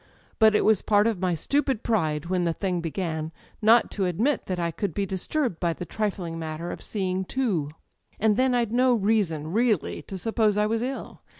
But it was part of my stupid pride, when the thing began, not to admit that I could be disturbed by the trifling matter of seeing two "And then I'd no reason, really, to suppose I was ill.